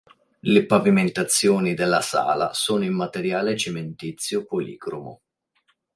Le pavimentazioni della sala sono in materiale cementizio policromo.